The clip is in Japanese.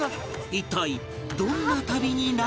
一体どんな旅になるのか？